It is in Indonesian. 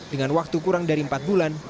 dengan waktu kurang dari empat bulan